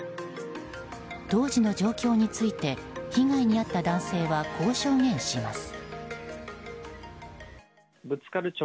当時の状況について被害に遭った男性はこう証言します。